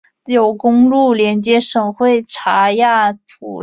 有公路连接省会查亚普拉。